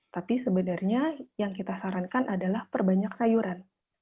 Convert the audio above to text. tapi sebenarnya yang kita sarankan adalah perbanyak sayuran